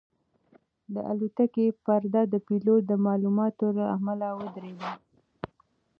د الوتکې پرده د پیلوټ د معلوماتو له امله ودرېده.